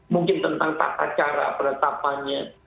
mungkin tentang tata cara penetapannya